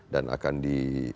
dan akan di